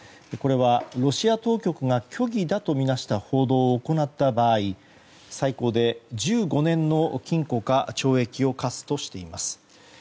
これはロシア当局が虚偽だとみなした報道を行った場合、最高で１５年の禁錮か懲役を科すとしています。